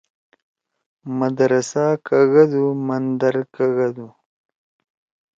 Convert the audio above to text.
مدرسہ کگَدُو مندر کگَدُو